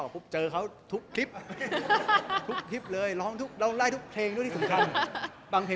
รู้จักเรื่องคำเธอ